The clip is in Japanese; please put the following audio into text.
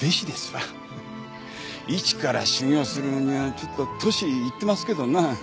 一から修業するにはちょっと年いってますけどな。